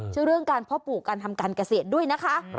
ชื่อเรื่องการพ่อปู่การทำการเกษตรด้วยนะคะ